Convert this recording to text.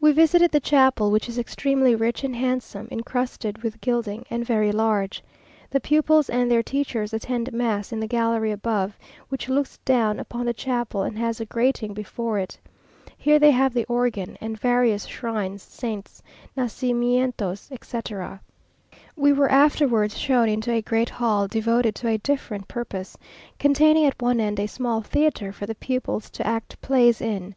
We visited the chapel, which is extremely rich and handsome, incrusted with gilding, and very large. The pupils and their teachers attend mass in the gallery above, which looks down upon the chapel and has a grating before it. Here they have the organ, and various shrines, saints, nacimientos, etc. We were afterwards shown into a great hall devoted to a different purpose, containing at one end a small theatre for the pupils to act plays in.